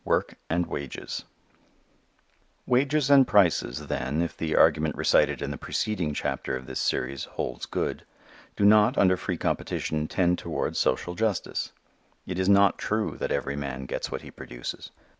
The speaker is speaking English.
Work and Wages_ WAGES and prices, then, if the argument recited in the preceding chapter of this series holds good, do not under free competition tend towards social justice. It is not true that every man gets what he produces.